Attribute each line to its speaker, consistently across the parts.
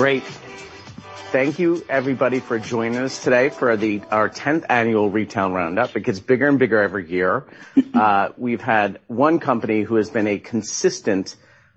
Speaker 1: Great. Thank you, everybody, for joining us today for our tenth annual Retail Roundup. It gets bigger and bigger every year. We've had one company who has been a consistent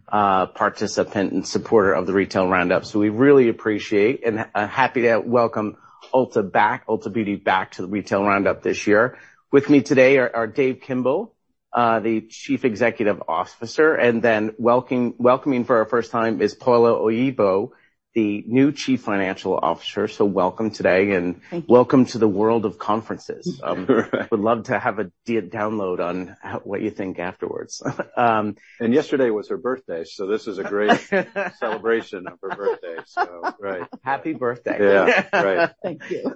Speaker 1: participant and supporter of the Retail Roundup, so we really appreciate and happy to welcome Ulta Beauty back to the Retail Roundup this year. With me today are Dave Kimbell, the Chief Executive Officer, and then welcoming for our first time is Paula Oyibo, the new Chief Financial Officer. So welcome today.
Speaker 2: Thank you.
Speaker 1: Welcome to the world of conferences. Would love to have a download on what you think afterwards.
Speaker 2: Yesterday was her birthday, so this is a great celebration of her birthday, so, right.
Speaker 1: Happy birthday.
Speaker 2: Yeah. Right.
Speaker 3: Thank you.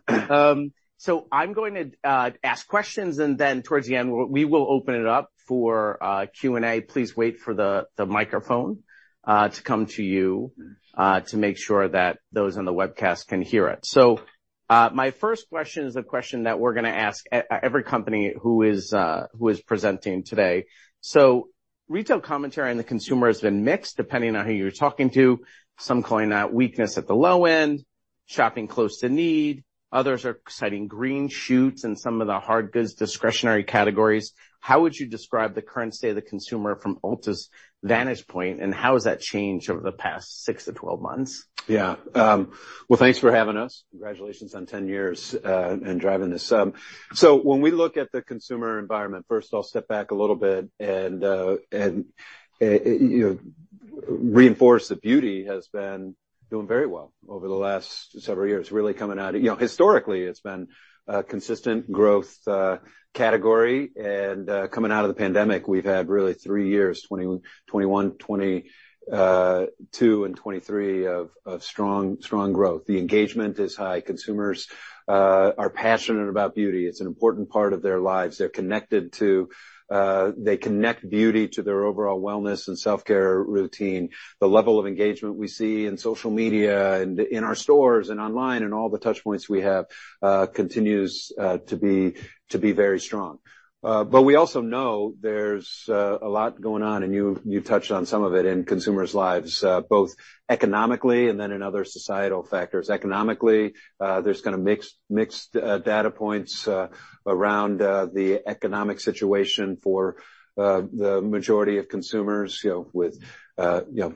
Speaker 1: So I'm going to ask questions, and then towards the end, we will open it up for Q&A. Please wait for the microphone to come to you to make sure that those on the webcast can hear it. So my first question is a question that we're gonna ask every company who is presenting today. So retail commentary on the consumer has been mixed, depending on who you're talking to, some calling out weakness at the low end, shopping close to need. Others are citing green shoots in some of the hard goods, discretionary categories. How would you describe the current state of the consumer from Ulta's vantage point, and how has that changed over the past six months to 12 months?
Speaker 2: Yeah. Well, thanks for having us. Congratulations on 10 years and driving this. So when we look at the consumer environment, first of all, step back a little bit and, you know, reinforce that beauty has been doing very well over the last several years, really coming out... You know, historically, it's been a consistent growth category, and coming out of the pandemic, we've had really three years, 2021, 2022, and 2023, of strong growth. The engagement is high. Consumers are passionate about beauty. It's an important part of their lives. They're connected to, they connect beauty to their overall wellness and self-care routine. The level of engagement we see in social media and in our stores and online and all the touchpoints we have continues to be very strong. But we also know there's a lot going on, and you touched on some of it, in consumers' lives, both economically and then in other societal factors. Economically, there's kind of mixed data points around the economic situation for the majority of consumers, you know, with you know,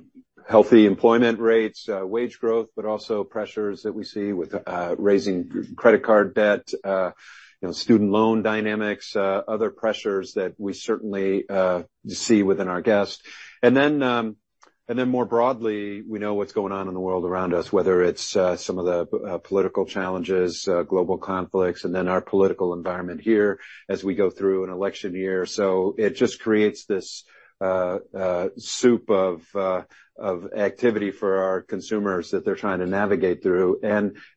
Speaker 2: healthy employment rates, wage growth, but also pressures that we see with raising credit card debt, you know, student loan dynamics, other pressures that we certainly see within our guests. And then, more broadly, we know what's going on in the world around us, whether it's some of the political challenges, global conflicts, and then our political environment here as we go through an election year. So it just creates this soup of activity for our consumers that they're trying to navigate through.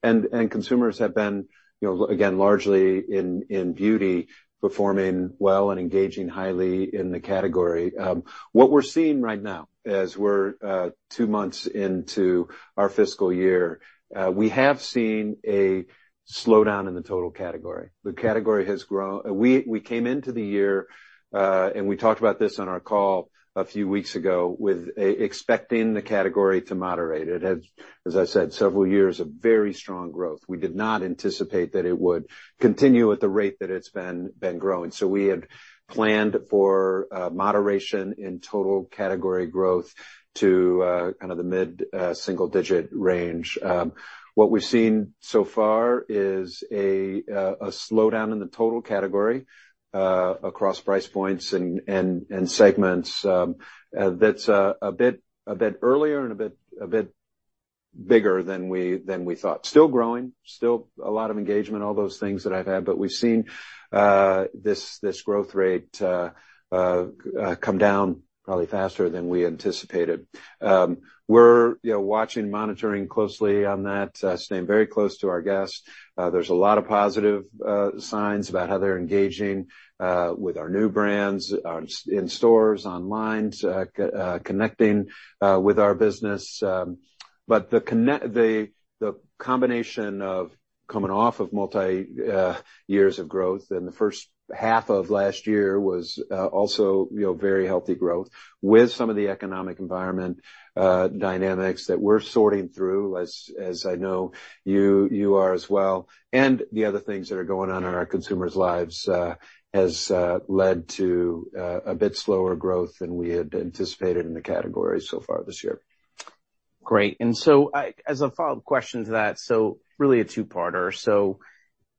Speaker 2: And consumers have been, you know, again, largely in beauty, performing well and engaging highly in the category. What we're seeing right now, as we're two months into our fiscal year, we have seen a slowdown in the total category. The category has grown... We came into the year, and we talked about this on our call a few weeks ago, with expecting the category to moderate. It has, as I said, several years of very strong growth. We did not anticipate that it would continue at the rate that it's been growing, so we had planned for moderation in total category growth to kind of the mid single digit range. What we've seen so far is a slowdown in the total category across price points and segments. That's a bit earlier and a bit bigger than we thought. Still growing, still a lot of engagement, all those things that I've had, but we've seen this growth rate come down probably faster than we anticipated. We're, you know, watching, monitoring closely on that, staying very close to our guests. There's a lot of positive signs about how they're engaging with our new brands in stores, online, connecting with our business. But the combination of coming off of multi years of growth, and the first half of last year was also, you know, very healthy growth, with some of the economic environment dynamics that we're sorting through, as I know you are as well, and the other things that are going on in our consumers' lives, has led to a bit slower growth than we had anticipated in the category so far this year.
Speaker 1: Great. And so, as a follow-up question to that, so really a two-parter. So,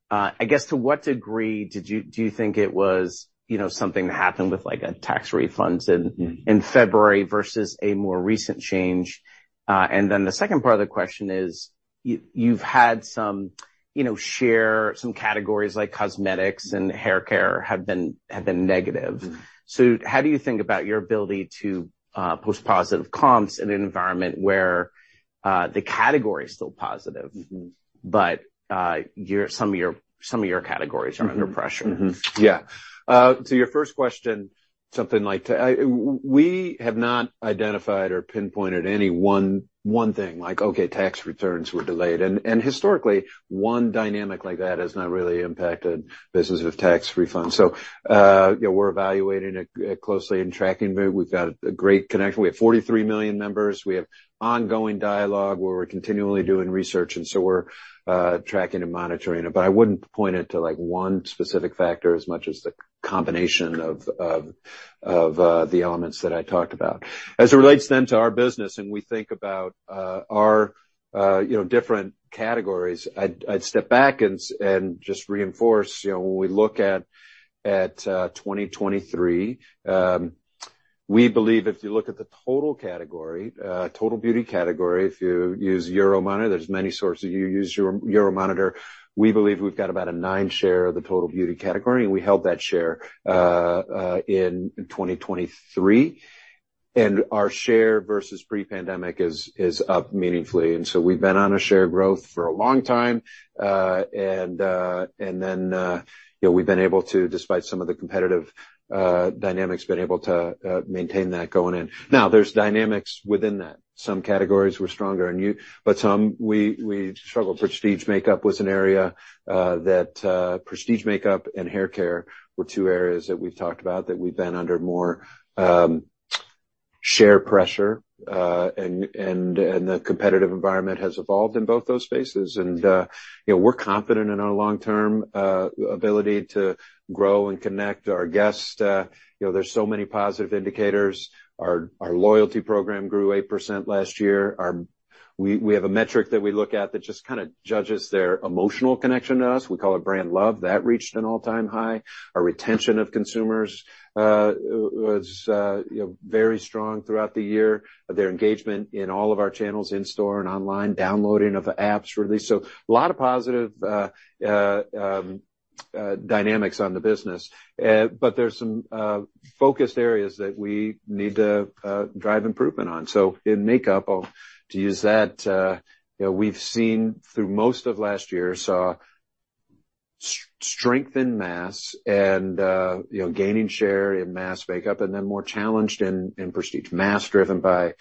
Speaker 1: I guess, to what degree do you think it was, you know, something that happened with, like, a tax refunds in-
Speaker 2: Mm-hmm...
Speaker 1: in February versus a more recent change? And then the second part of the question is, you've had some, you know, share, some categories, like cosmetics and haircare, have been negative.
Speaker 2: Mm-hmm.
Speaker 1: So how do you think about your ability to post positive comps in an environment where the category is still positive-
Speaker 2: Mm-hmm...
Speaker 1: but, some of your categories are under pressure?
Speaker 2: Mm-hmm. Mm-hmm. Yeah. To your first question, something like... we have not identified or pinpointed any one thing, like, okay, tax returns were delayed. And historically, one dynamic like that has not really impacted business with tax refunds. So, you know, we're evaluating it closely and tracking, but we've got a great connection. We have 43 million members. We have ongoing dialogue where we're continually doing research, and so we're tracking and monitoring it. But I wouldn't point it to, like, one specific factor as much as the combination of the elements that I talked about. As it relates then to our business, and we think about, our, you know, different categories, I'd, I'd step back and, and just reinforce, you know, when we look at, at, 2023. We believe if you look at the total category, total beauty category, if you use Euromonitor, there's many sources. You use Euromonitor, we believe we've got about a nine share of the total beauty category, and we held that share, in, in 2023. And our share versus pre-pandemic is, is up meaningfully, and so we've been on a share growth for a long time, and, and then, you know, we've been able to, despite some of the competitive, dynamics, been able to, maintain that going in. Now, there's dynamics within that. Some categories were stronger than you, but some we, we struggled. Prestige makeup was an area that prestige makeup and hair care were two areas that we've talked about that we've been under more share pressure, and the competitive environment has evolved in both those spaces. You know, we're confident in our long-term ability to grow and connect our guests. You know, there's so many positive indicators. Our loyalty program grew 8% last year. We have a metric that we look at that just kind of judges their emotional connection to us. We call it brand love. That reached an all-time high. Our retention of consumers was you know, very strong throughout the year. Their engagement in all of our channels, in-store and online, downloading of apps, really. So a lot of positive dynamics on the business. There's some focused areas that we need to drive improvement on. So in makeup, to use that, you know, we've seen through most of last year, saw strength in mass and, you know, gaining share in mass makeup and then more challenged in prestige. Mass, driven by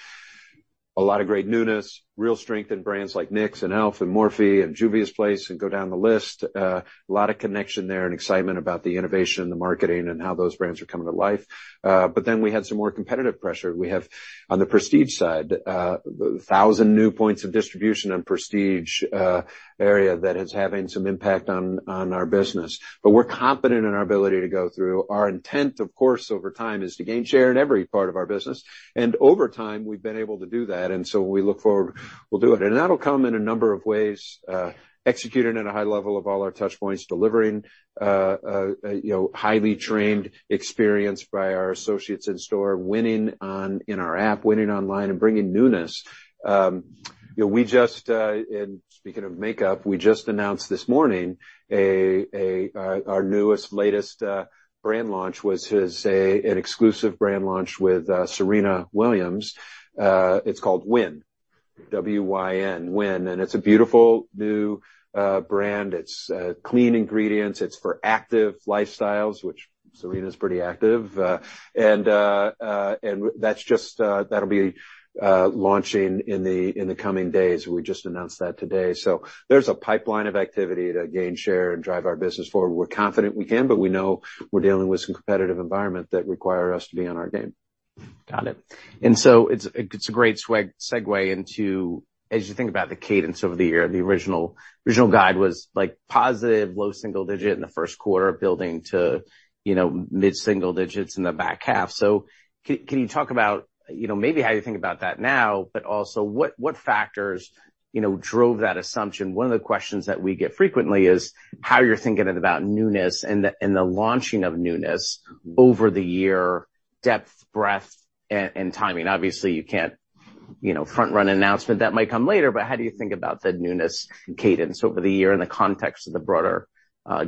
Speaker 2: a lot of great newness, real strength in brands like NYX and e.l.f and Morphe and Juvia's Place, and go down the list. A lot of connection there and excitement about the innovation, the marketing, and how those brands are coming to life. But then we had some more competitive pressure. We have, on the prestige side, 1,000 new points of distribution in prestige area that is having some impact on our business. But we're confident in our ability to go through. Our intent, of course, over time, is to gain share in every part of our business, and over time, we've been able to do that, and so we look forward, we'll do it. And that'll come in a number of ways, executing at a high level of all our touch points, delivering, you know, highly trained experience by our associates in store, winning in our app, winning online, and bringing newness. You know, and speaking of makeup, we just announced this morning our newest, latest brand launch, which is an exclusive brand launch with Serena Williams. It's called WYN, W-Y-N, WYN, and it's a beautiful new brand. It's clean ingredients. It's for active lifestyles, which Serena's pretty active, and that's just... That'll be launching in the coming days. We just announced that today. So there's a pipeline of activity to gain share and drive our business forward. We're confident we can, but we know we're dealing with some competitive environment that require us to be on our game.
Speaker 1: Got it. And so it's a great segue into, as you think about the cadence over the year, the original guide was, like, positive low-single-digit in the first quarter, building to, you know, mid-single-digits in the back half. So can you talk about, you know, maybe how you think about that now, but also what factors, you know, drove that assumption? One of the questions that we get frequently is how you're thinking about newness and the launching of newness over the year, depth, breadth, and timing. Obviously, you can't, you know, front-run an announcement that might come later, but how do you think about the newness cadence over the year in the context of the broader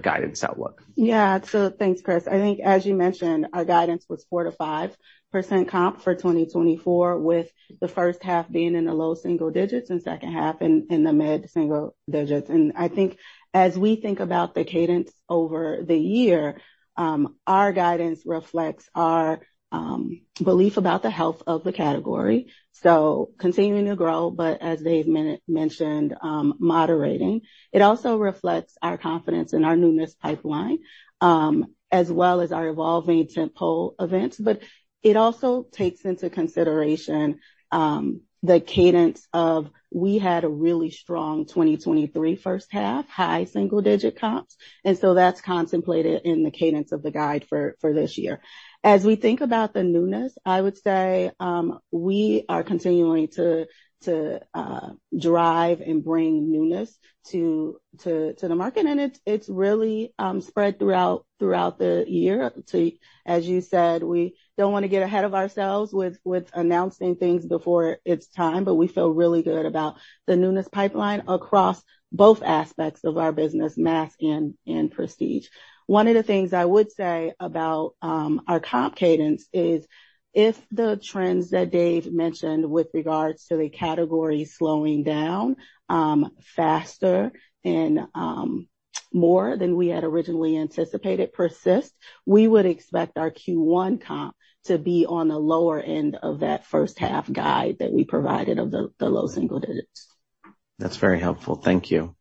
Speaker 1: guidance outlook?
Speaker 3: Yeah. So thanks, Chris. I think, as you mentioned, our guidance was 4%-5% comp for 2024, with the first half being in the low single digits and second half in the mid single digits. And I think as we think about the cadence over the year, our guidance reflects our belief about the health of the category, so continuing to grow, but as Dave mentioned, moderating. It also reflects our confidence in our newness pipeline, as well as our evolving tent pole events. But it also takes into consideration the cadence of... We had a really strong 2023 first half, high single-digit comps, and so that's contemplated in the cadence of the guide for this year. As we think about the newness, I would say, we are continuing to drive and bring newness to the market, and it's really spread throughout the year. So as you said, we don't want to get ahead of ourselves with announcing things before it's time, but we feel really good about the newness pipeline across both aspects of our business, mass and prestige. One of the things I would say about our comp cadence is, if the trends that Dave mentioned with regards to the category slowing down faster and more than we had originally anticipated persist, we would expect our Q1 comp to be on the lower end of that first half guide that we provided of the low single digits.
Speaker 1: That's very helpful. Thank you.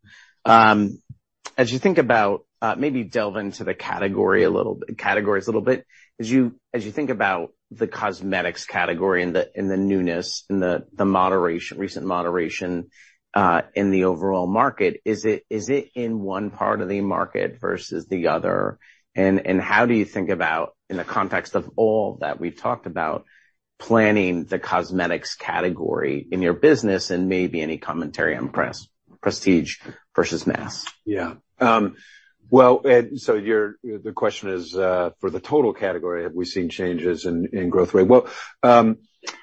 Speaker 1: As you think about, maybe delve into the category a little bit—categories a little bit. As you think about the cosmetics category and the newness and the moderation, recent moderation in the overall market, is it in one part of the market versus the other? And how do you think about, in the context of all that we've talked about planning the cosmetics category in your business, and maybe any commentary on prestige versus mass?
Speaker 2: Yeah. Well, the question is, for the total category, have we seen changes in growth rate? Well,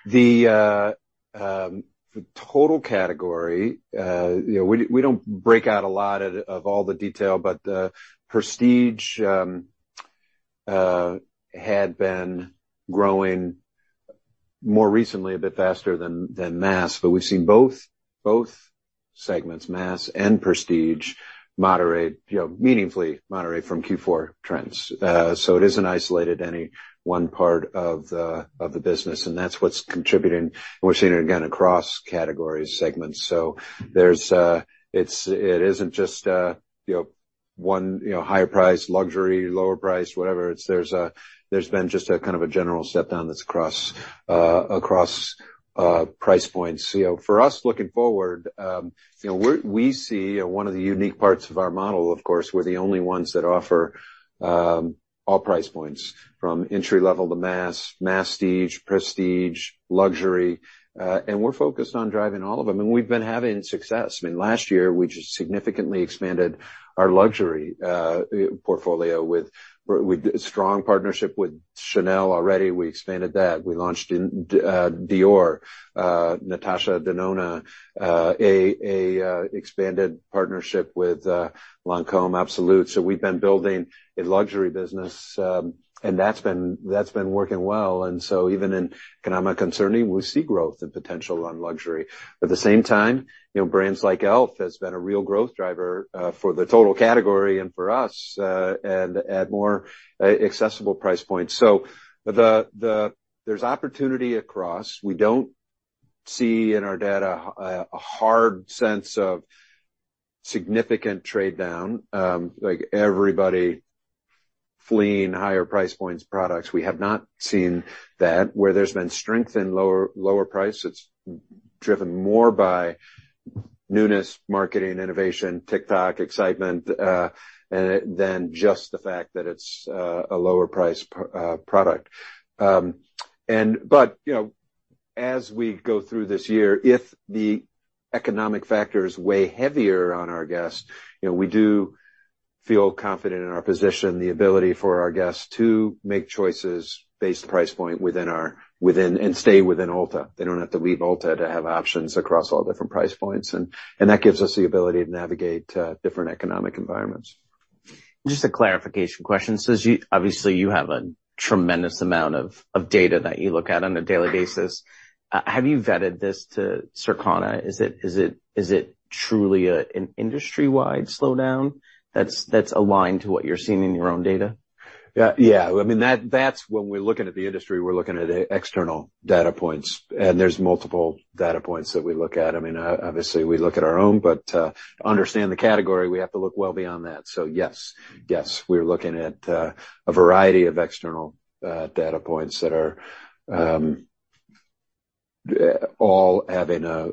Speaker 2: the total category, you know, we, we don't break out a lot of all the detail, but, prestige had been growing more recently a bit faster than mass. But we've seen both, both segments, mass and prestige, moderate, you know, meaningfully moderate from Q4 trends. So it isn't isolated to any one part of the business, and that's what's contributing, and we're seeing it again across category segments. So there's, it isn't just, you know, one, you know, higher price, luxury, lower price, whatever. It's there's a, there's been just a kind of a general step down that's across, across price points. You know, for us, looking forward, you know, we're. We see, you know, one of the unique parts of our model, of course, we're the only ones that offer all price points, from entry level to mass, masstige, prestige, luxury, and we're focused on driving all of them, and we've been having success. I mean, last year, we just significantly expanded our luxury portfolio with a strong partnership with Chanel already. We expanded that. We launched Dior, Natasha Denona, an expanded partnership with Lancôme Absolue. So we've been building a luxury business, and that's been working well. And so even in economic concerning, we see growth and potential on luxury. At the same time, you know, brands like e.l.f. has been a real growth driver for the total category and for us and at more accessible price points. So there's opportunity across. We don't see in our data a hard sense of significant trade down like everybody fleeing higher price points products. We have not seen that. Where there's been strength in lower price, it's driven more by newness, marketing, innovation, TikTok, excitement than just the fact that it's a lower price product. And but, you know, as we go through this year, if the economic factors weigh heavier on our guests, you know, we do feel confident in our position, the ability for our guests to make choices based on price point within, and stay within Ulta. They don't have to leave Ulta to have options across all different price points, and that gives us the ability to navigate different economic environments.
Speaker 1: Just a clarification question. So you, obviously, you have a tremendous amount of data that you look at on a daily basis. Have you vetted this to Circana? Is it truly an industry-wide slowdown that's aligned to what you're seeing in your own data?
Speaker 2: Yeah. Yeah. I mean, that, that's when we're looking at the industry, we're looking at external data points, and there's multiple data points that we look at. I mean, obviously, we look at our own, but to understand the category, we have to look well beyond that. So yes, yes, we're looking at a variety of external data points that are all having a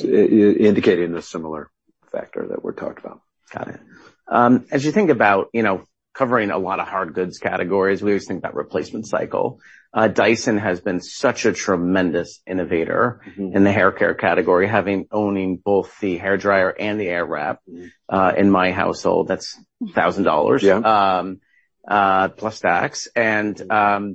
Speaker 2: indicating a similar factor that we're talking about.
Speaker 1: Got it. As you think about, you know, covering a lot of hard goods categories, we always think about replacement cycle. Dyson has been such a tremendous innovator-
Speaker 2: Mm-hmm.
Speaker 1: -in the hair care category, having, owning both the hairdryer and the Airwrap. In my household, that's $1,000-
Speaker 2: Yeah.
Speaker 1: plus tax. And,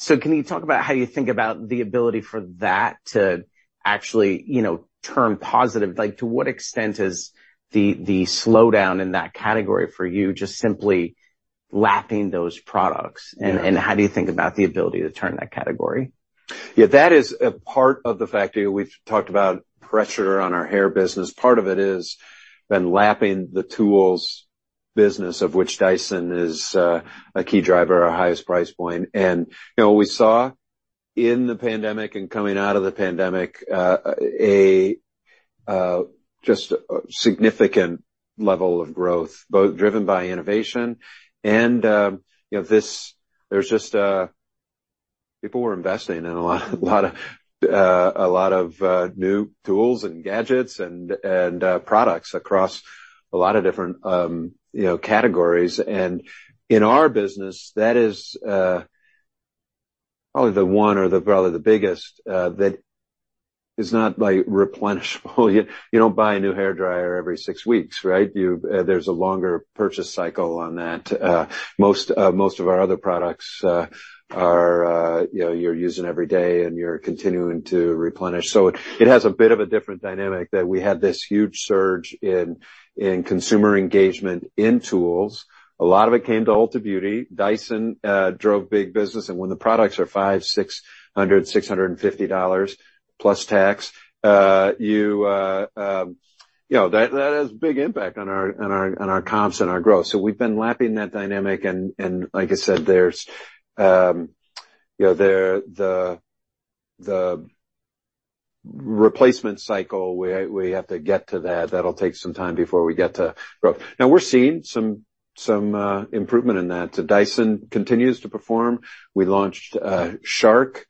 Speaker 1: so can you talk about how you think about the ability for that to actually, you know, turn positive? Like, to what extent is the slowdown in that category for you just simply lapping those products?
Speaker 2: Yeah.
Speaker 1: And how do you think about the ability to turn that category?
Speaker 2: Yeah, that is a part of the factor. We've talked about pressure on our hair business. Part of it is been lapping the tools business, of which Dyson is, a key driver, our highest price point. And, you know, we saw in the pandemic and coming out of the pandemic, just a significant level of growth, both driven by innovation and, you know, this, there's just a... People were investing in a lot, a lot of, a lot of, new tools and gadgets and, and, products across a lot of different, you know, categories. And in our business, that is, probably the one or the, probably the biggest, that is not like replenishable. You don't buy a new hairdryer every six weeks, right? You, there's a longer purchase cycle on that. Most of our other products, you know, you're using every day, and you're continuing to replenish. So it has a bit of a different dynamic that we had this huge surge in consumer engagement in tools. A lot of it came to Ulta Beauty. Dyson drove big business, and when the products are $500, $600, $650 dollars plus tax, you know, that has big impact on our comps and our growth. So we've been lapping that dynamic, and like I said, there's the replacement cycle, we have to get to that. That'll take some time before we get to growth. Now, we're seeing some improvement in that. So Dyson continues to perform. We launched Shark,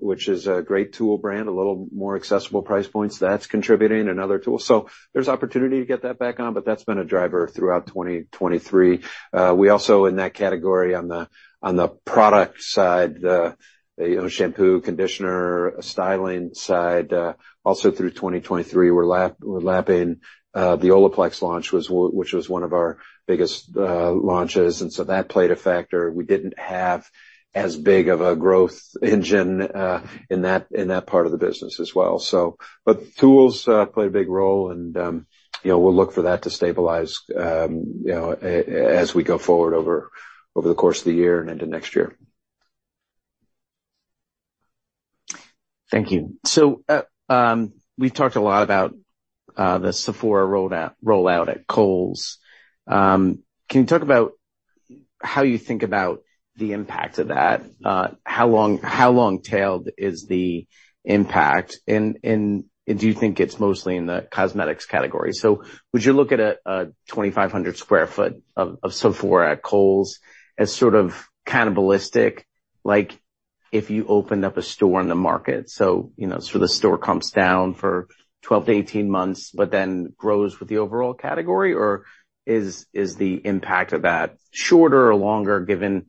Speaker 2: which is a great tool brand, a little more accessible price points. That's contributing another tool. So there's opportunity to get that back on, but that's been a driver throughout 2023. We also, in that category, on the product side, you know, shampoo, conditioner, styling side, also through 2023, we're lapping the OLAPLEX launch, which was one of our biggest launches, and so that played a factor. We didn't have as big of a growth engine in that part of the business as well, so. But tools play a big role, and, you know, we'll look for that to stabilize, you know, as we go forward over the course of the year and into next year.
Speaker 1: Thank you. So, we've talked a lot about the Sephora rollout at Kohl's. Can you talk about how you think about the impact of that? How long, how long-tailed is the impact, and do you think it's mostly in the cosmetics category? So would you look at a 2,500 sq ft Sephora at Kohl's as sort of cannibalistic, like if you opened up a store in the market? So, you know, so the store comes down for 12 months-18 months, but then grows with the overall category, or is the impact of that shorter or longer, given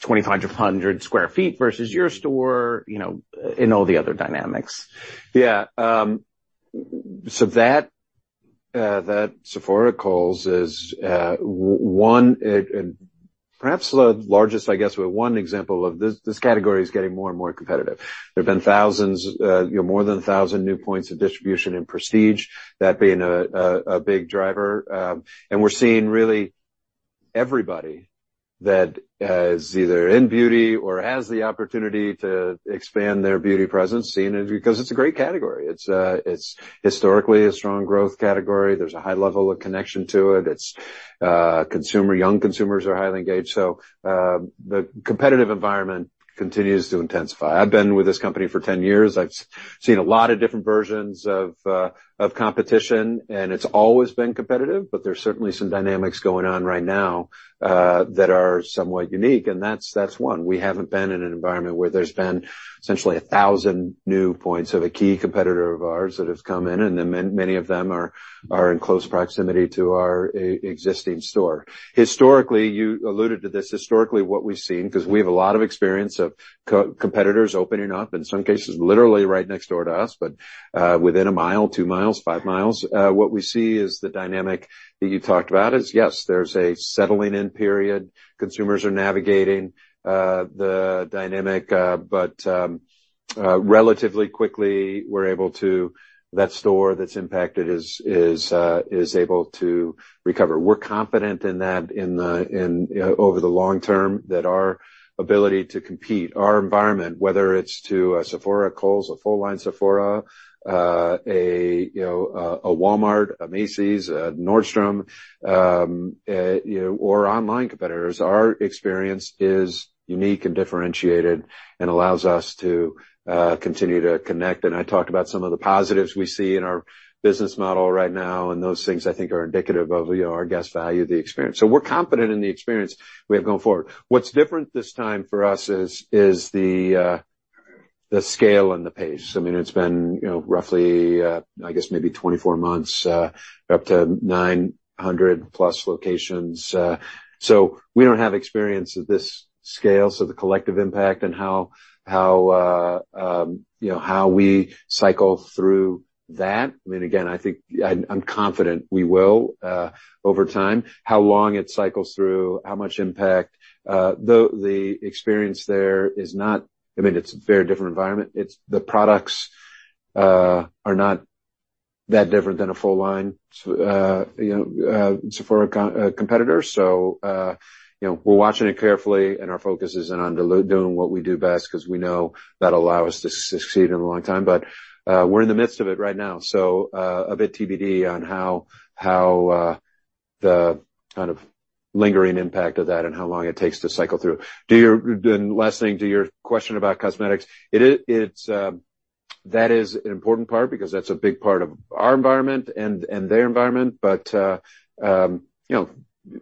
Speaker 1: 2,500 sq ft versus your store, you know, and all the other dynamics?
Speaker 2: Yeah, so that Sephora Kohl's is one, and perhaps the largest, I guess, but one example of this, this category is getting more and more competitive. There have been thousands, you know, more than 1,000 new points of distribution in prestige, that being a big driver. And we're seeing really everybody that is either in beauty or has the opportunity to expand their beauty presence, seeing it because it's a great category. It's historically a strong growth category. There's a high level of connection to it. It's consumer—young consumers are highly engaged, so the competitive environment continues to intensify. I've been with this company for 10 years. I've seen a lot of different versions of competition, and it's always been competitive, but there's certainly some dynamics going on right now that are somewhat unique, and that's one. We haven't been in an environment where there's been essentially 1,000 new points of a key competitor of ours that has come in, and then many of them are in close proximity to our existing store. Historically, you alluded to this, historically, what we've seen, because we have a lot of experience of competitors opening up, in some cases, literally right next door to us, but within a mile, 2 mi, 5 mi, what we see is the dynamic that you talked about, is yes, there's a settling-in period. Consumers are navigating the dynamic, but relatively quickly, we're able to... That store that's impacted is able to recover. We're confident in that, in the, in, over the long term, that our ability to compete, our environment, whether it's to a Sephora Kohl's, a full-line Sephora, you know, a Walmart, a Macy's, a Nordstrom, you know, or online competitors, our experience is unique and differentiated and allows us to continue to connect. And I talked about some of the positives we see in our business model right now, and those things, I think, are indicative of, you know, our guest value, the experience. So we're confident in the experience we have going forward. What's different this time for us is the scale and the pace. I mean, it's been, you know, roughly, I guess maybe 24 months, up to 900 plus locations. So we don't have experience at this scale, so the collective impact on how, you know, how we cycle through that. I mean, again, I'm confident we will, over time, how long it cycles through, how much impact. The experience there is not... I mean, it's a very different environment. It's the products are not that different than a full line, you know, Sephora competitor. So, you know, we're watching it carefully, and our focus is in on doing what we do best because we know that'll allow us to succeed in the long time. But, we're in the midst of it right now, so, a bit TBD on how, the kind of lingering impact of that and how long it takes to cycle through. And last thing, to your question about cosmetics, it is, it's, that is an important part because that's a big part of our environment and, and their environment, but, you know,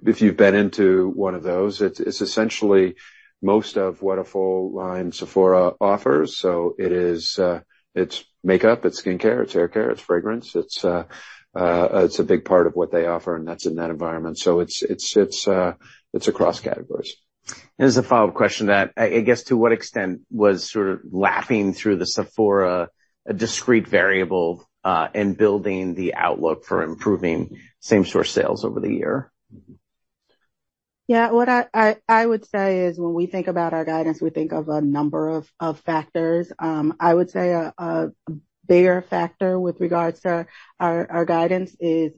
Speaker 2: if you've been into one of those, it's, it's, essentially most of what a full-line Sephora offers. So it is, it's makeup, it's skincare, it's hair care, it's fragrance. It's, it's a big part of what they offer, and that's in that environment. So it's, it's, it's, it's across categories.
Speaker 1: As a follow-up question to that, I guess, to what extent was sort of lapping through the Sephora a discrete variable in building the outlook for improving same store sales over the year?
Speaker 3: Yeah. What I would say is, when we think about our guidance, we think of a number of factors. I would say a bigger factor with regards to our guidance is,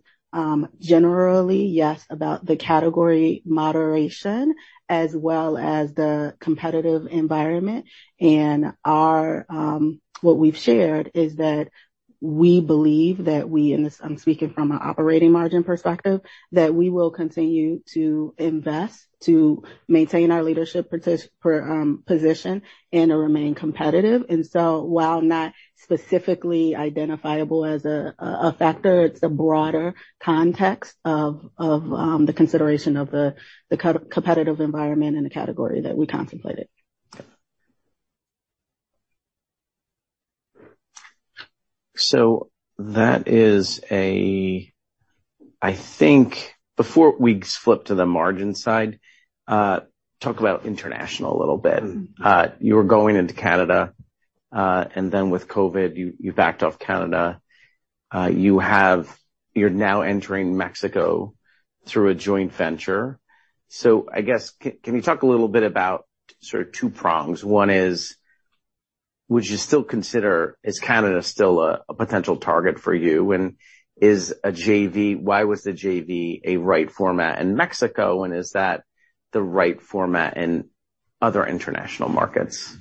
Speaker 3: generally, yes, about the category moderation as well as the competitive environment. And what we've shared is that we believe that we, and this, I'm speaking from an operating margin perspective, that we will continue to invest, to maintain our leadership position and to remain competitive. And so, while not specifically identifiable as a factor, it's a broader context of the consideration of the competitive environment and the category that we contemplated. ...
Speaker 1: So that is, I think, before we flip to the margin side, talk about international a little bit. You were going into Canada, and then with COVID, you backed off Canada. You have, you're now entering Mexico through a joint venture. So I guess, can you talk a little bit about sort of two prongs? One is: would you still consider, is Canada still a potential target for you? And is a JV, why was the JV a right format in Mexico, and is that the right format in other international markets?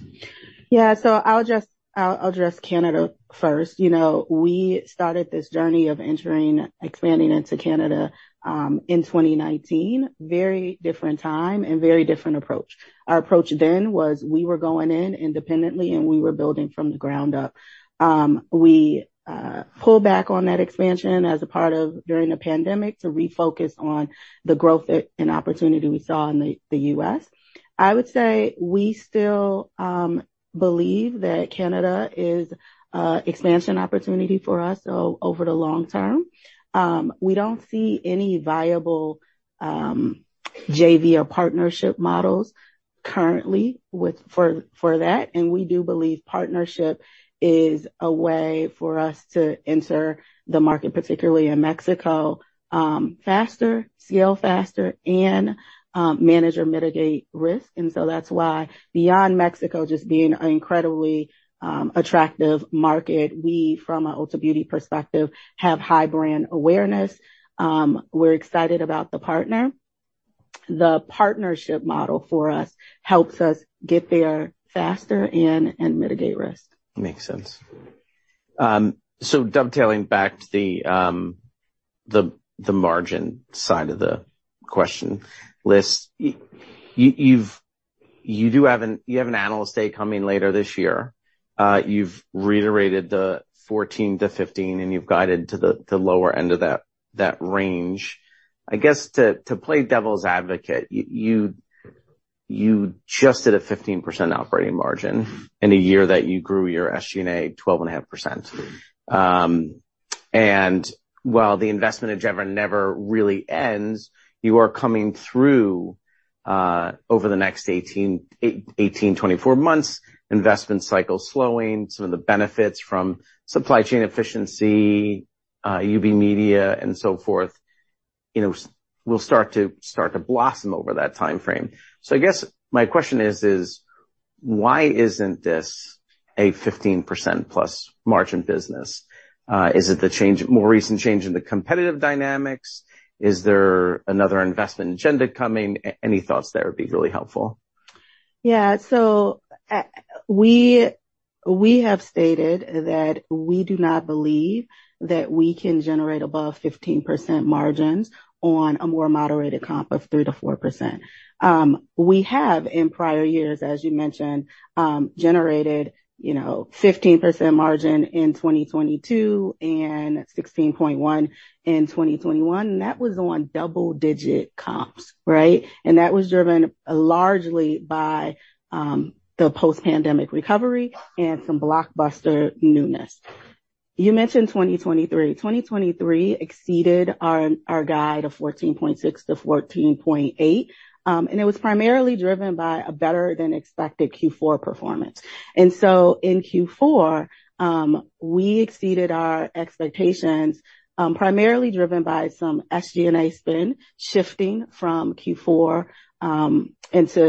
Speaker 3: Yeah. So I'll address, I'll address Canada first. You know, we started this journey of entering, expanding into Canada in 2019. Very different time and very different approach. Our approach then was we were going in independently, and we were building from the ground up. We pulled back on that expansion as a part of during the pandemic to refocus on the growth and opportunity we saw in the U.S. I would say we still believe that Canada is a expansion opportunity for us, so over the long term. We don't see any viable JV or partnership models currently for, for that, and we do believe partnership is a way for us to enter the market, particularly in Mexico, faster, scale faster, and manage or mitigate risk. And so that's why beyond Mexico just being an incredibly attractive market, we, from an Ulta Beauty perspective, have high brand awareness. We're excited about the partner. The partnership model for us helps us get there faster and mitigate risk.
Speaker 1: Makes sense. So dovetailing back to the margin side of the question list, you do have an analyst day coming later this year. You've reiterated the 14%-15%, and you've guided to the lower end of that range. I guess to play devil's advocate, you just did a 15% operating margin in a year that you grew your SG&A 12.5%. And while the investment agenda never really ends, you are coming through over the next 18 months-24 months, investment cycle slowing, some of the benefits from supply chain efficiency, UB Media, and so forth, you know, will start to blossom over that timeframe. So I guess my question is, why isn't this a 15%+ margin business? Is it the change, more recent change in the competitive dynamics? Is there another investment agenda coming? Any thoughts there would be really helpful.
Speaker 3: Yeah. So, we have stated that we do not believe that we can generate above 15% margins on a more moderated comp of 3%-4%. We have, in prior years, as you mentioned, generated, you know, 15% margin in 2022 and 16.1% in 2021, and that was on double-digit comps, right? That was driven largely by the post-pandemic recovery and some blockbuster newness. You mentioned 2023. 2023 exceeded our guide of 14.6%-14.8%, and it was primarily driven by a better-than-expected Q4 performance. So in Q4, we exceeded our expectations, primarily driven by some SG&A spend shifting from Q4 into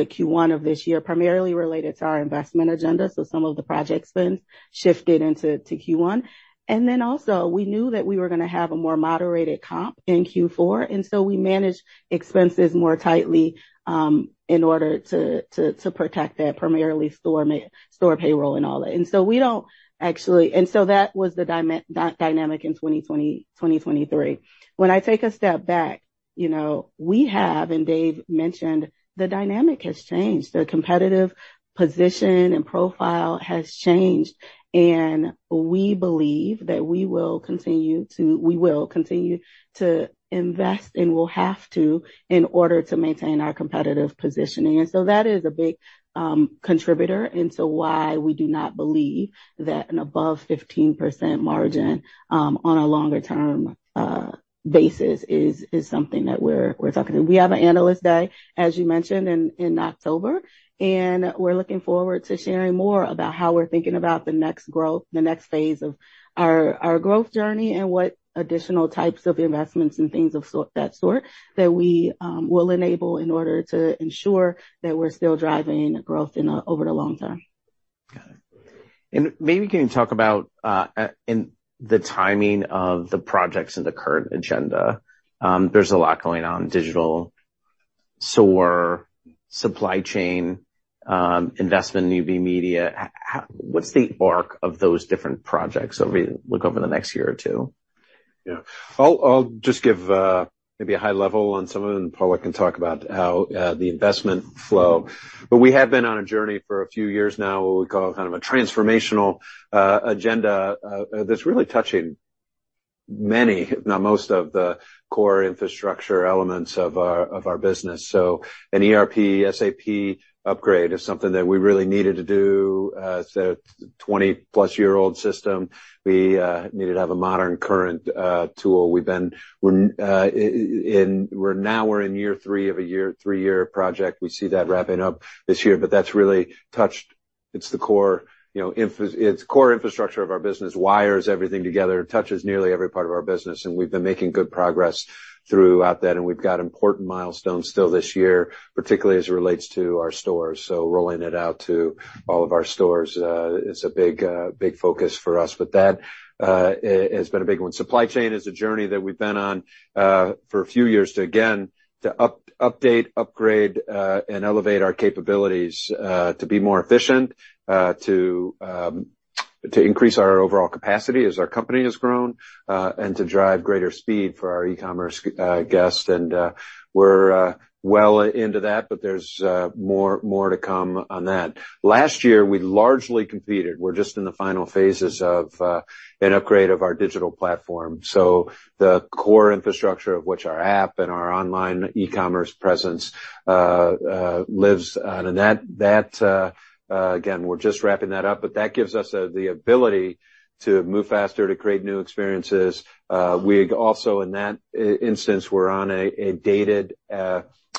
Speaker 3: Q1 of this year, primarily related to our investment agenda, so some of the project spends shifted into Q1. Then also, we knew that we were gonna have a more moderated comp in Q4, and so we managed expenses more tightly, in order to protect that, primarily store payroll and all that. And so we don't actually, and so that was the dynamic in 2020, 2023. When I take a step back, you know, we have, and Dave mentioned, the dynamic has changed. The competitive position and profile has changed, and we believe that we will continue to, we will continue to invest, and we'll have to, in order to maintain our competitive positioning. And so that is a big contributor into why we do not believe that an above 15% margin, on a longer-term basis is something that we're talking about. We have an analyst day, as you mentioned, in October, and we're looking forward to sharing more about how we're thinking about the next growth, the next phase of our growth journey, and what additional types of investments and things of that sort that we will enable in order to ensure that we're still driving growth over the long term.
Speaker 1: Got it. And maybe can you talk about the timing of the projects in the current agenda? There's a lot going on, digital, SOAR, supply chain, investment in UV media. What's the arc of those different projects as you look over the next year or two?
Speaker 2: Yeah. I'll, I'll just give maybe a high level on some of them, and Paula can talk about how the investment flow. But we have been on a journey for a few years now, what we call kind of a transformational agenda that's really touching many, now most of the core infrastructure elements of our, of our business. So an ERP SAP upgrade is something that we really needed to do. It's a 20-plus-year-old system. We needed to have a modern, current tool. We're now in year three of a three-year project. We see that wrapping up this year, but that's really touched, it's the core, you know, infrastructure of our business, wires everything together, touches nearly every part of our business, and we've been making good progress throughout that, and we've got important milestones still this year, particularly as it relates to our stores. So rolling it out to all of our stores is a big, big focus for us, but that has been a big one. Supply chain is a journey that we've been on for a few years to, again, to update, upgrade, and elevate our capabilities to be more efficient, to increase our overall capacity as our company has grown, and to drive greater speed for our e-commerce guests. We're well into that, but there's more to come on that. Last year, we largely completed; we're just in the final phases of an upgrade of our digital platform. So the core infrastructure of which our app and our online e-commerce presence lives on, and that, again, we're just wrapping that up, but that gives us the ability to move faster, to create new experiences. We also, in that instance, we're on a dated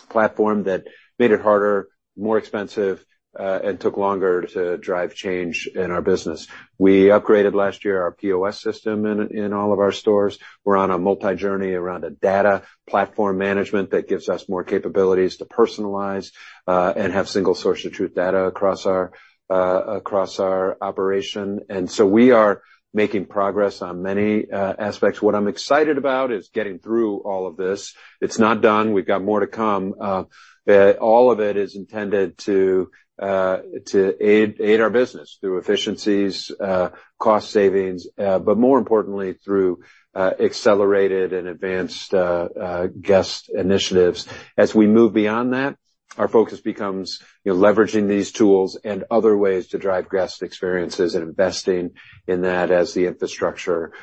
Speaker 2: platform that made it harder, more expensive, and took longer to drive change in our business. We upgraded last year our POS system in all of our stores. We're on a multi-journey around a data platform management that gives us more capabilities to personalize and have single source of truth data across our operation. We are making progress on many aspects. What I'm excited about is getting through all of this. It's not done. We've got more to come. All of it is intended to aid our business through efficiencies, cost savings, but more importantly, through accelerated and advanced guest initiatives. As we move beyond that, our focus becomes, you know, leveraging these tools and other ways to drive guest experiences and investing in that as the infrastructure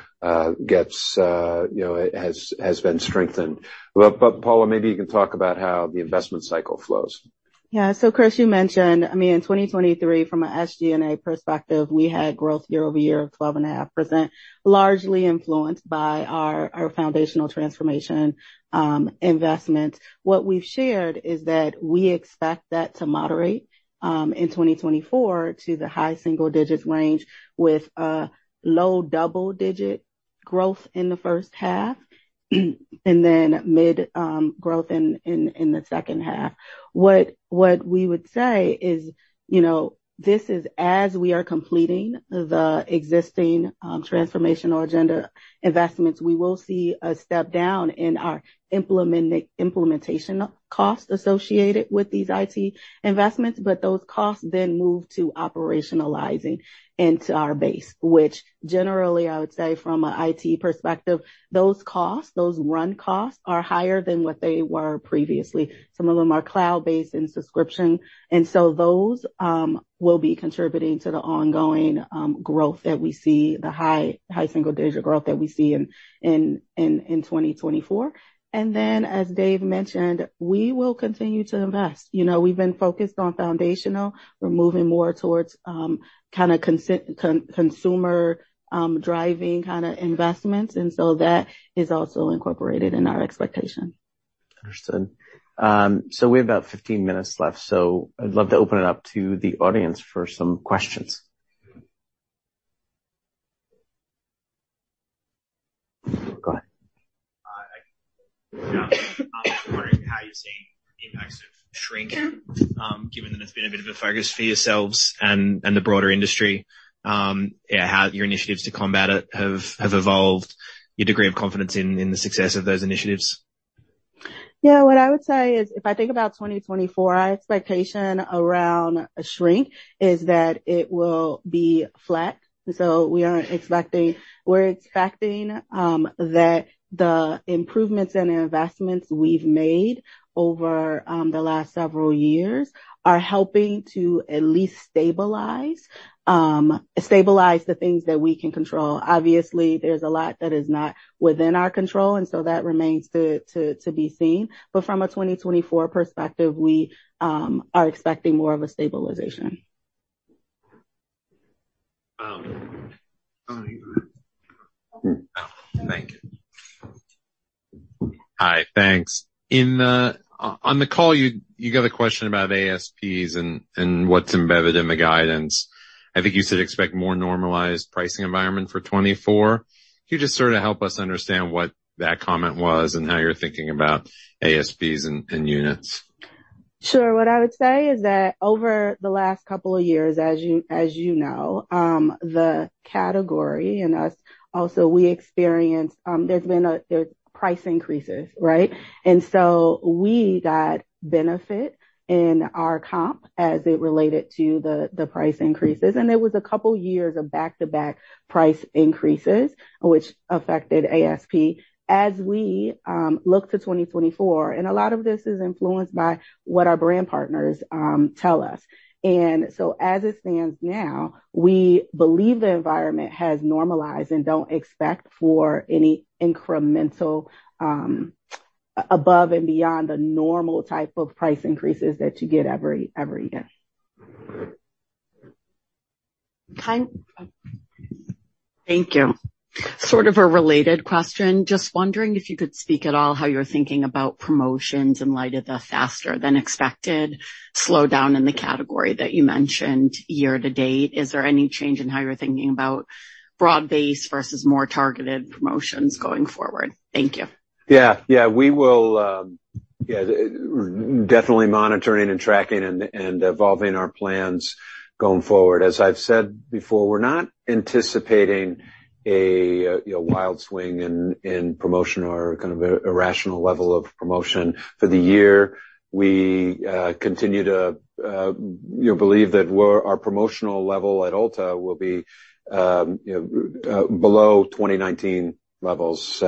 Speaker 2: gets, you know, it has been strengthened. Paula, maybe you can talk about how the investment cycle flows.
Speaker 3: Yeah. So, Chris, you mentioned, I mean, in 2023, from an SG&A perspective, we had growth year-over-year of 12.5%, largely influenced by our foundational transformation investment. What we've shared is that we expect that to moderate in 2024 to the high single digits range, with a low double-digit growth in the first half, and then mid-single-digit growth in the second half. What we would say is, you know, this is as we are completing the existing transformational agenda investments, we will see a step down in our implementation costs associated with these IT investments, but those costs then move to operationalizing into our base, which generally, I would say from an IT perspective, those costs, those run costs, are higher than what they were previously. Some of them are cloud-based and subscription, and so those will be contributing to the ongoing growth that we see, the high single digit growth that we see in 2024. And then, as Dave mentioned, we will continue to invest. You know, we've been focused on foundational. We're moving more towards kind of consumer driving kind of investments, and so that is also incorporated in our expectation.
Speaker 1: Understood. We have about 15 minutes left, so I'd love to open it up to the audience for some questions. Go ahead.
Speaker 4: Hi. I'm wondering how you've seen the impacts of shrinking, given that it's been a bit of a focus for yourselves and the broader industry. Yeah, how your initiatives to combat it have evolved, your degree of confidence in the success of those initiatives?
Speaker 3: Yeah, what I would say is, if I think about 2024, our expectation around a shrink is that it will be flat. So we aren't expecting—we're expecting that the improvements and investments we've made over the last several years are helping to at least stabilize the things that we can control. Obviously, there's a lot that is not within our control, and so that remains to be seen. But from a 2024 perspective, we are expecting more of a stabilization.
Speaker 4: Thank you.
Speaker 5: Hi, thanks. On the call, you got a question about ASPs and what's embedded in the guidance. I think you said expect more normalized pricing environment for 2024. Can you just sort of help us understand what that comment was and how you're thinking about ASPs and units?
Speaker 3: Sure. What I would say is that over the last couple of years, as you, as you know, the category and us also, we experienced, there's been price increases, right? And so we got benefit in our comp as it related to the price increases, and there was a couple of years of back-to-back price increases, which affected ASP. As we look to 2024, and a lot of this is influenced by what our brand partners tell us. And so, as it stands now, we believe the environment has normalized and don't expect for any incremental above and beyond the normal type of price increases that you get every year.
Speaker 6: Thank you. Sort of a related question. Just wondering if you could speak at all how you're thinking about promotions in light of the faster than expected slowdown in the category that you mentioned year to date. Is there any change in how you're thinking about broad-based versus more targeted promotions going forward? Thank you.
Speaker 2: Yeah. Yeah, we will, yeah, definitely monitoring and tracking and evolving our plans going forward. As I've said before, we're not anticipating a wild swing in promotion or kind of an irrational level of promotion. For the year, we continue to believe that our promotional level at Ulta will be below 2019 levels,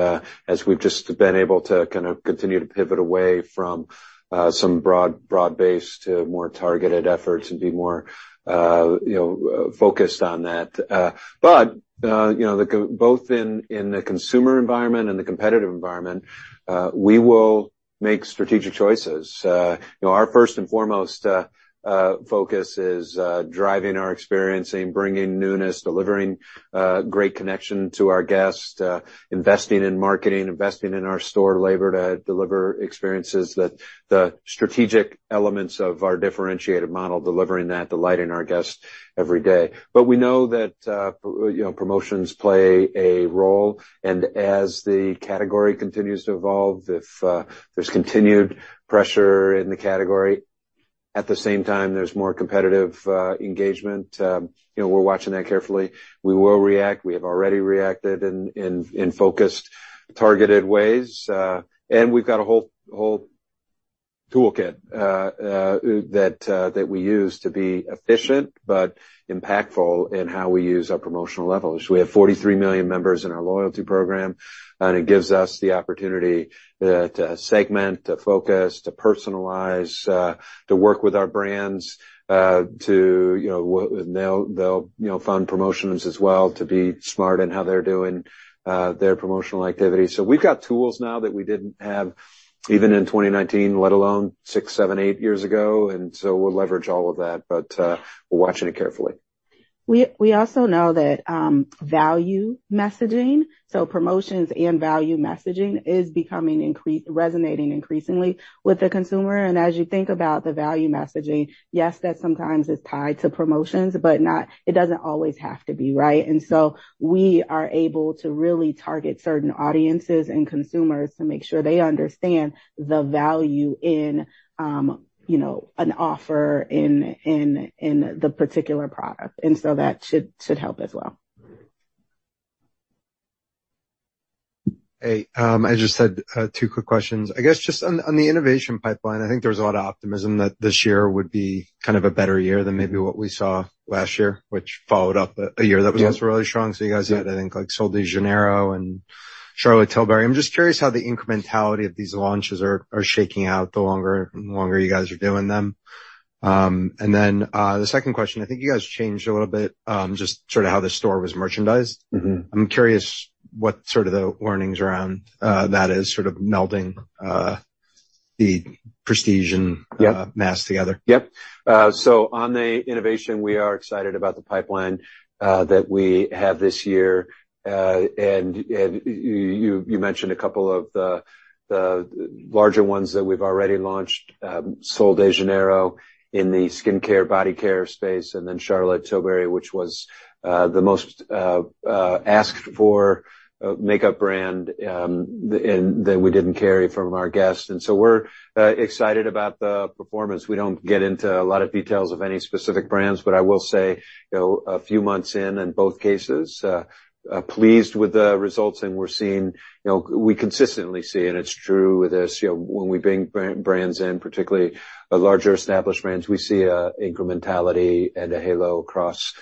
Speaker 2: as we've just been able to kind of continue to pivot away from some broad base to more targeted efforts and be more, you know, focused on that. But, you know, both in the consumer environment and the competitive environment, we will make strategic choices. You know, our first and foremost focus is driving our experience and bringing newness, delivering great connection to our guests, investing in marketing, investing in our store labor to deliver experiences that the strategic elements of our differentiated model, delivering that, delighting our guests every day. But we know that, you know, promotions play a role, and as the category continues to evolve, if there's continued pressure in the category, at the same time, there's more competitive engagement. You know, we're watching that carefully. We will react. We have already reacted in focused, targeted ways, and we've got a whole toolkit that we use to be efficient but impactful in how we use our promotional levels. We have 43 million members in our loyalty program, and it gives us the opportunity to segment, to focus, to personalize to work with our brands, to, you know, they'll, they'll, you know, fund promotions as well, to be smart in how they're doing their promotional activities. So we've got tools now that we didn't have even in 2019, let alone six, seven, eight years ago, and so we'll leverage all of that, but we're watching it carefully.
Speaker 3: We also know that value messaging, so promotions and value messaging, is becoming resonating increasingly with the consumer. And as you think about the value messaging, yes, that sometimes is tied to promotions, but it doesn't always have to be, right? And so we are able to really target certain audiences and consumers to make sure they understand the value in, you know, an offer in the particular product, and so that should help as well.
Speaker 7: Hey, I just had two quick questions. I guess, just on the innovation pipeline, I think there was a lot of optimism that this year would be kind of a better year than maybe what we saw last year, which followed up a year that was also really strong. So you guys had, I think, like Sol de Janeiro and Charlotte Tilbury. I'm just curious how the incrementality of these launches are shaking out the longer you guys are doing them. And then, the second question, I think you guys changed a little bit, just sort of how the store was merchandised.
Speaker 2: Mm-hmm.
Speaker 7: I'm curious what sort of the learnings around, that is, sort of melding, the prestige and-
Speaker 2: Yep.
Speaker 7: -mass together.
Speaker 2: Yep. So on the innovation, we are excited about the pipeline that we have this year. And you mentioned a couple of the larger ones that we've already launched, Sol de Janeiro in the skincare, body care space, and then Charlotte Tilbury, which was the most asked for makeup brand that we didn't carry from our guests. And so we're excited about the performance. We don't get into a lot of details of any specific brands, but I will say, you know, a few months in, in both cases, pleased with the results, and we're seeing, you know, we consistently see, and it's true with this, you know, when we bring brands in, particularly larger, established brands, we see a incrementality and a halo across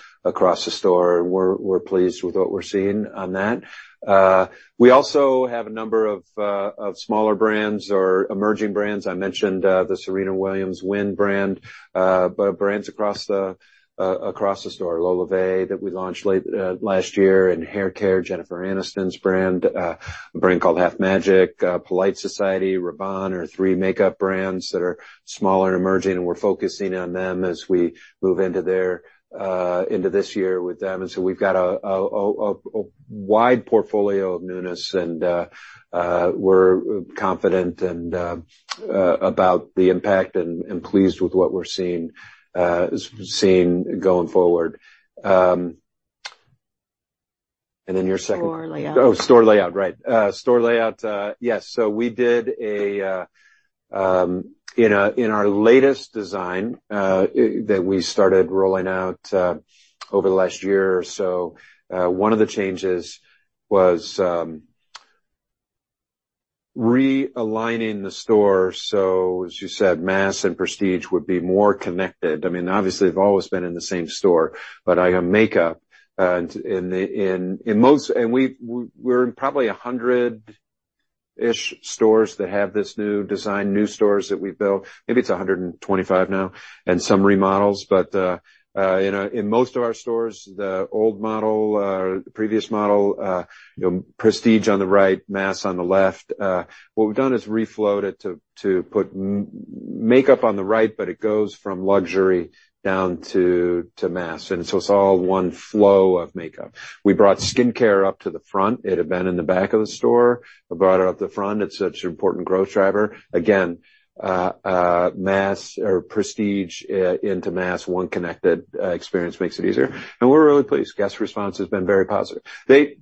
Speaker 2: the store. We're pleased with what we're seeing on that. We also have a number of smaller brands or emerging brands. I mentioned the Serena Williams WYN brand, but brands across the store, LolaVie, that we launched late last year, in hair care, Jennifer Aniston's brand, a brand called Half Magic, Polite Society, Rabanne, are three makeup brands that are smaller and emerging, and we're focusing on them as we move into this year with them. So we've got a wide portfolio of newness, and we're confident and about the impact and pleased with what we're seeing going forward. And then your second-
Speaker 3: Store layout.
Speaker 2: Oh, store layout, right. Store layout, yes. So we did in our latest design that we started rolling out over the last year or so one of the changes was realigning the store. So as you said, mass and prestige would be more connected. I mean, obviously, they've always been in the same store, but makeup in most-- and we're in probably 100-ish stores that have this new design, new stores that we've built, maybe it's 125 now, and some remodels. But in most of our stores, the old model, the previous model, you know, prestige on the right, mass on the left. What we've done is reflowed it to put makeup on the right, but it goes from luxury down to mass, and so it's all one flow of makeup. We brought skincare up to the front. It had been in the back of the store. We brought it up the front. It's such an important growth driver. Again, mass or prestige into mass, one connected experience makes it easier, and we're really pleased. Guest response has been very positive. They,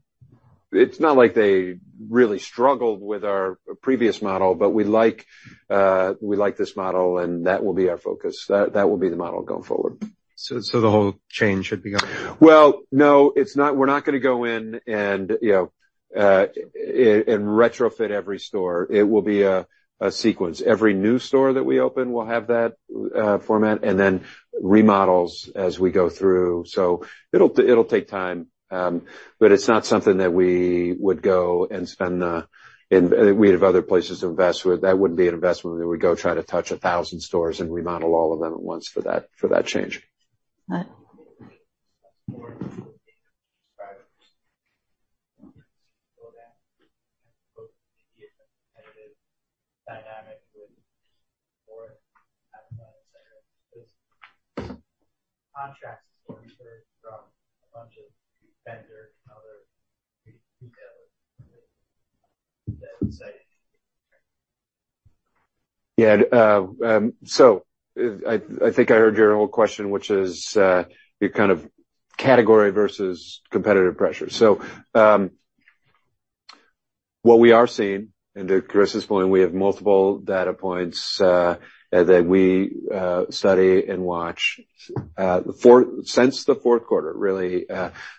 Speaker 2: it's not like they really struggled with our previous model, but we like, we like this model, and that will be our focus. That will be the model going forward.
Speaker 7: So, the whole change should be going now?
Speaker 2: Well, no, it's not—we're not going to go in and, you know, and retrofit every store. It will be a sequence. Every new store that we open will have that format, and then remodels as we go through. So it'll take time, but it's not something that we would go and spend the... We have other places to invest with. That wouldn't be an investment, where we'd go try to touch 1,000 stores and remodel all of them at once for that, for that change.
Speaker 8: Right.
Speaker 2: Yeah, so I think I heard your whole question, which is, you kind of category versus competitive pressure. So, what we are seeing, and to Chris's point, we have multiple data points that we study and watch. Since the fourth quarter, really,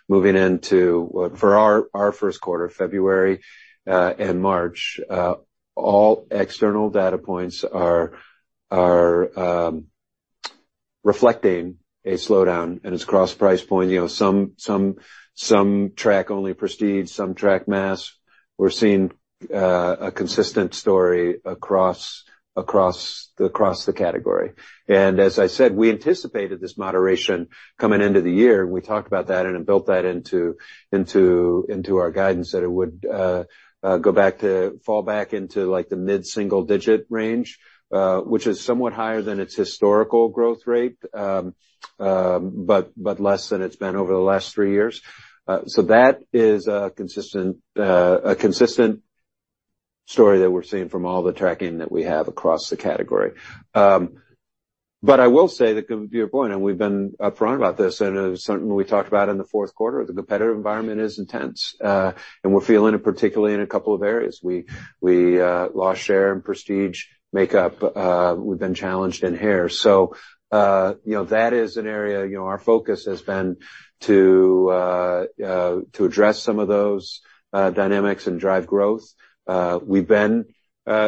Speaker 2: moving into what, for our first quarter, February and March, all external data points are reflecting a slowdown, and it's across price point. You know, some track only prestige, some track mass. We're seeing a consistent story across the category. And as I said, we anticipated this moderation coming into the year. We talked about that and then built that into our guidance, that it would go back to fall back into, like, the mid-single-digit range, which is somewhat higher than its historical growth rate, but less than it's been over the last three years. So that is a consistent story that we're seeing from all the tracking that we have across the category. But I will say that, to your point, and we've been up front about this, and it's something we talked about in the fourth quarter, the competitive environment is intense, and we're feeling it, particularly in a couple of areas. We lost share in prestige makeup. We've been challenged in hair. So, you know, that is an area, you know, our focus has been to address some of those dynamics and drive growth. We've been,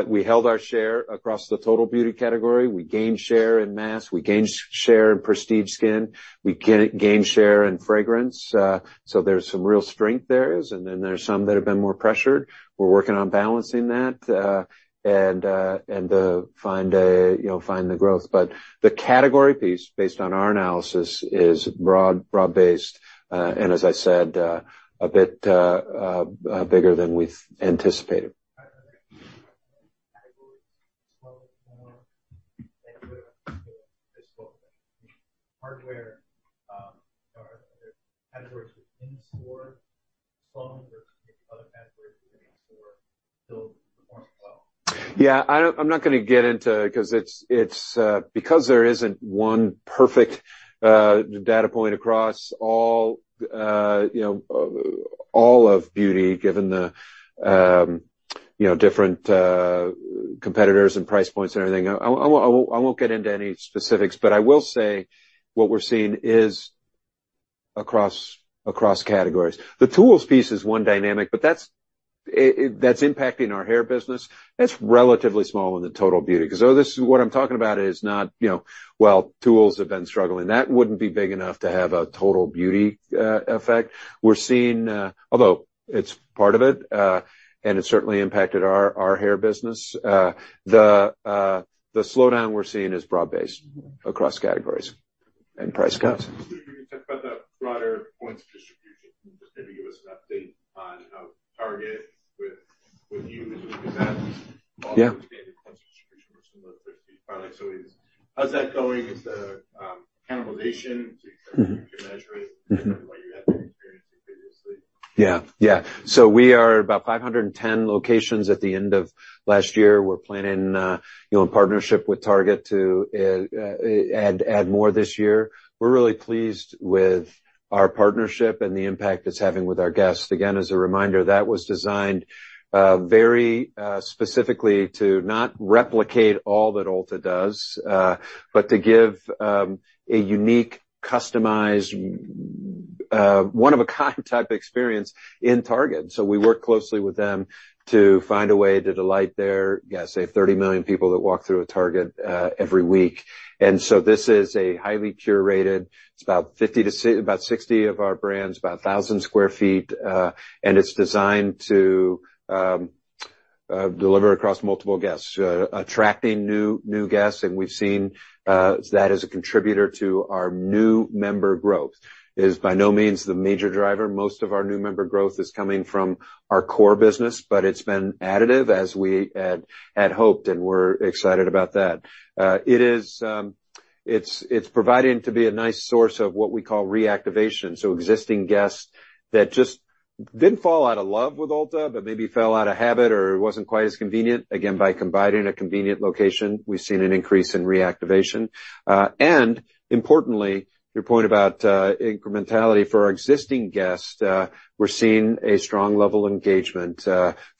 Speaker 2: we held our share across the total beauty category. We gained share in mass. We gained share in prestige skin. We gained share in fragrance. So there's some real strength there, and then there are some that have been more pressured. We're working on balancing that, and find a, you know, find the growth. But the category piece, based on our analysis, is broad, broad-based, and as I said, a bit bigger than we've anticipated. Yeah, I'm not going to get into... Because there isn't one perfect data point across all, you know, all of beauty, given the, you know, different competitors and price points and everything. I won't get into any specifics, but I will say what we're seeing is across categories. The tools piece is one dynamic, but that's impacting our hair business. That's relatively small in the total beauty, because what I'm talking about is not, you know, well, tools have been struggling. That wouldn't be big enough to have a total beauty effect. We're seeing, although it's part of it, and it certainly impacted our hair business, the slowdown we're seeing is broad-based across categories and price cuts.
Speaker 8: You talked about the broader points of distribution. Just maybe give us an update on how Target with you, as we do that-
Speaker 2: Yeah.
Speaker 8: Points of distribution for some of the prestige products. So how's that going with the cannibalization, to measure it, what you had been experiencing previously?
Speaker 2: Yeah, yeah. So we are about 510 locations at the end of last year. We're planning, you know, in partnership with Target, to add more this year. We're really pleased with our partnership and the impact it's having with our guests. Again, as a reminder, that was designed very specifically to not replicate all that Ulta does, but to give a unique, customized, one-of-a-kind type experience in Target. So we work closely with them to find a way to delight their, I'd say, 30 million people that walk through a Target every week. And so this is a highly curated, it's about 50 to about 60 of our brands, about 1,000 sq ft, and it's designed to deliver across multiple guests, attracting new, new guests, and we've seen that as a contributor to our new member growth. It is by no means the major driver. Most of our new member growth is coming from our core business, but it's been additive, as we had hoped, and we're excited about that. It is providing to be a nice source of what we call reactivation, so existing guests that just didn't fall out of love with Ulta, but maybe fell out of habit or it wasn't quite as convenient. Again, by combining a convenient location, we've seen an increase in reactivation. And importantly, your point about incrementality for our existing guests, we're seeing a strong level of engagement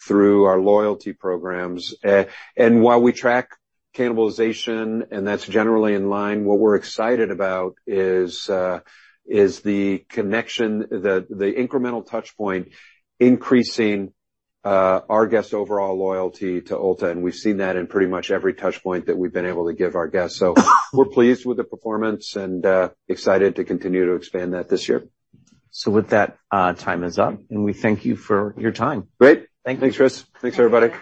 Speaker 2: through our loyalty programs. And while we track cannibalization, and that's generally in line, what we're excited about is the connection, the incremental touch point, increasing our guests' overall loyalty to Ulta, and we've seen that in pretty much every touch point that we've been able to give our guests. So we're pleased with the performance and excited to continue to expand that this year.
Speaker 1: So with that, time is up, and we thank you for your time.
Speaker 2: Great.
Speaker 1: Thank you.
Speaker 2: Thanks, Chris. Thanks, everybody.